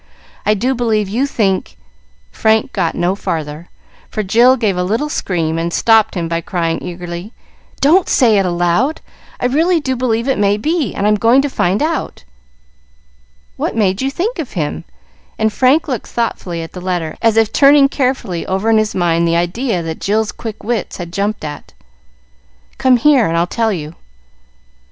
I do believe you think " Frank got no farther, for Jill gave a little scream, and stopped him by crying eagerly, "Don't say it out loud! I really do believe it may be, and I'm going to find out." "What made you think of him?" and Frank looked thoughtfully at the letter, as if turning carefully over in his mind the idea that Jill's quick wits had jumped at. "Come here and I'll tell you."